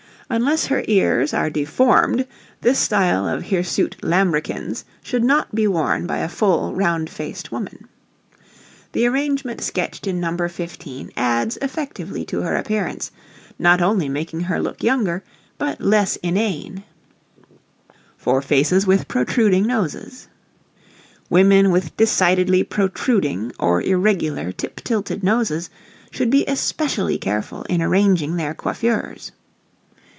Unless her ears are deformed this style of hirsute lambrequins should not be worn by a full, round faced woman. The arrangement sketched in No 15 adds effectively to her appearance, not only making her look younger, but less inane. [Illustration: NO. 16] For Faces with Protruding Noses. Women with decidedly protruding, or irregular, tip tilted noses should be especially careful in arranging their coiffures.